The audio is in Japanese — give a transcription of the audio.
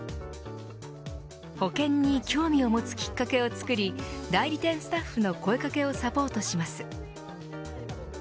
保険に興味をもつきっかけを作り代理店スタッフの声かけをサポートします。